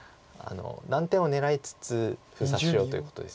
断点を狙いつつ封鎖しようということです。